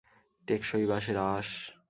টেকসই বাঁশের আঁশ।